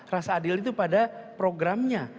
rasa adil itu pada programnya